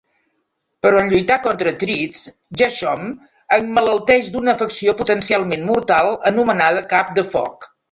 Però en lluitar contra Thread, Jaxom emmalalteix d'una afecció potencialment mortal anomenada "cap de foc".